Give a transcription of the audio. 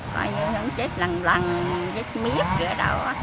coi như không chết lần lần chết miếp rồi đó